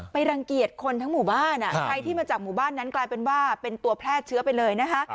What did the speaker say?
รังเกียจคนทั้งหมู่บ้านใครที่มาจากหมู่บ้านนั้นกลายเป็นว่าเป็นตัวแพร่เชื้อไปเลยนะคะ